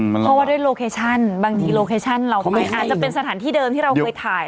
เพราะว่าด้วยโลเคชั่นบางทีโลเคชั่นเราไปอาจจะเป็นสถานที่เดิมที่เราเคยถ่าย